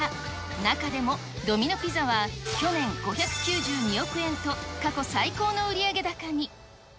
中でもドミノ・ピザは去年、５９２億円と過去最高の売上高に。